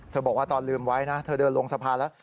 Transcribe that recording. บอกว่าตอนลืมไว้นะเธอเดินลงสะพานแล้ว